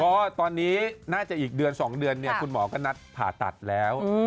เพราะว่าตอนนี้น่าจะอีกเดือน๒เดือนคุณหมอก็นัดผ่าตัดแล้ว